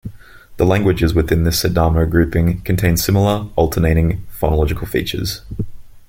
The languages within this Sidamo grouping contain similar, alternating phonological features.